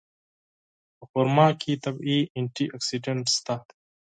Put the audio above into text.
په خرما کې طبیعي انټي اکسېډنټ شته.